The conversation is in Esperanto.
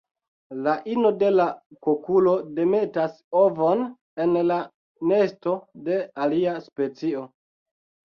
La ino de la kukolo demetas ovon en la nesto de alia specio.